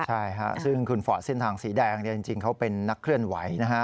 ใช่ค่ะซึ่งคุณฟอร์ดเส้นทางสีแดงจริงเขาเป็นนักเคลื่อนไหวนะฮะ